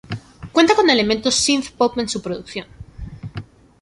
Cuenta con elementos synth-pop en su producción.